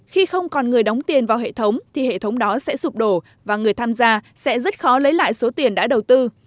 khi không còn người đóng tiền vào hệ thống thì hệ thống đó sẽ sụp đổ và người tham gia sẽ rất khó lấy lại số tiền đã đầu tư